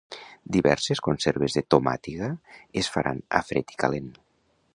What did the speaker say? Diverses conserves de tomàtiga es faran a Fred i Calent.